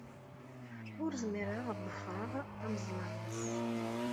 Ur zmireɣ ad ḍefreɣ tameẓla-nnes.